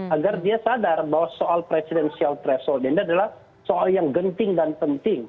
agar dia sadar bahwa soal presidensial threshold ini adalah soal yang genting dan penting